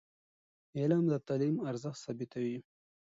علم د تعلیم ارزښت ثابتوي.